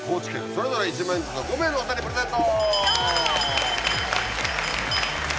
それぞれ１万円ずつを５名の方にプレゼント！